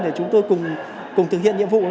để chúng tôi cùng thực hiện nhiệm vụ